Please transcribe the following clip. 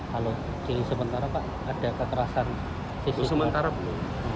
kalau di sementara pak ada keterasan